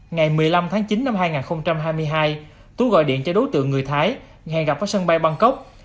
ngày một mươi năm tháng chín năm hai nghìn hai mươi hai tú gọi điện cho đối tượng người thái nghe gặp ở sân bay bangkok